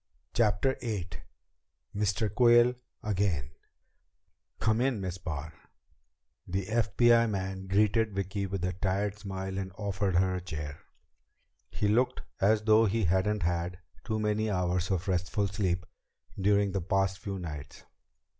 CHAPTER VIII Mr. Quayle Again "Come in, Miss Barr." The FBI man greeted Vicki with a tired smile and offered her a chair. He looked as though he hadn't had too many hours of restful sleep during the past few nights.